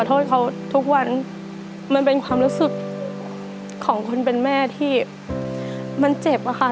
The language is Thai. โทษเขาทุกวันมันเป็นความรู้สึกของคนเป็นแม่ที่มันเจ็บอะค่ะ